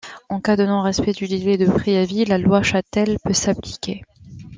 En cas de non-respect du délai de préavis, la loi Chatel peut s’appliquer.